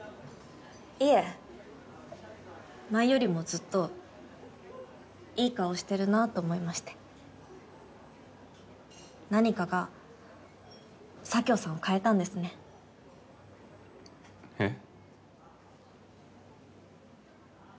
いえ前よりもずっといい顔してるなと思いまして何かが佐京さんを変えたんですねえっ？